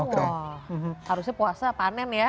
wah harusnya puasa panen ya